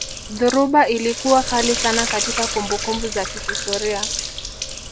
dhoruba ilikuwa kali sana katika kumbukumbu za kihistoria